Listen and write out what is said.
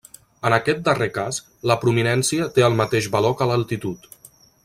En aquest darrer cas, la prominència té el mateix valor que l'altitud.